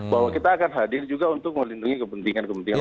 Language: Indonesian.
bahwa kita akan hadir juga untuk melindungi kepentingan kepentingan